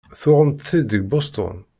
Tuɣemt-t-id deg Boston?